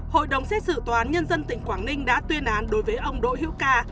hội đồng xét xử tòa án nhân dân tỉnh quảng ninh đã tuyên án đối với ông đỗ hữu ca